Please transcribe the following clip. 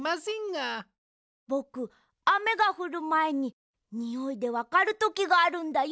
ぼくあめがふるまえににおいでわかるときがあるんだよ。